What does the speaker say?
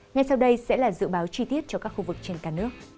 ngay sau đây sẽ là dự báo chi tiết cho các khu vực trên cả nước